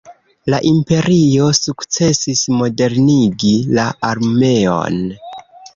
La Imperio sukcesis modernigi la armeon.